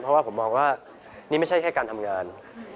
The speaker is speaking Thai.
เพราะว่าผมมองว่านี่ไม่ใช่แค่การทำงาน